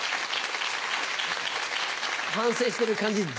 反省してる感じ